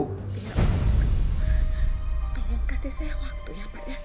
tolong kasih saya waktunya pak ya